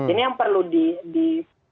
ini yang perlu di